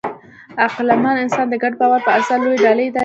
عقلمن انسان د ګډ باور په اساس لویې ډلې اداره کوي.